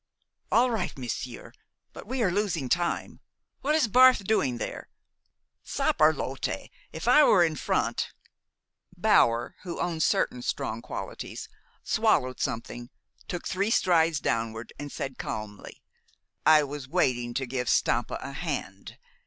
"All right, monsieur, but we are losing time. What is Barth doing there? Saperlotte! If I were in front " Bower, who owned certain strong qualities, swallowed something, took three strides downward, and said calmly: "I was waiting to give Stampa a hand.